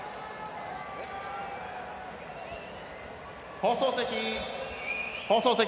放送席、放送席。